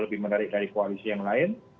lebih menarik dari koalisi yang lain